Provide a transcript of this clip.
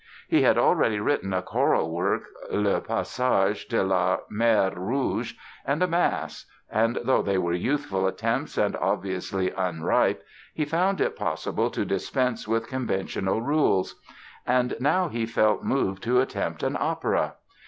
He had already written a choral work, "Le Passage de la Mer Rouge" and a Mass, and though they were youthful attempts and obviously unripe he found it possible to dispense with conventional rules. And now he felt moved to attempt an opera!